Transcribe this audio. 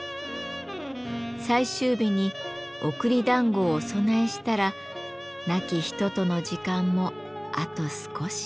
最終日に送り団子をお供えしたら亡き人との時間もあと少し。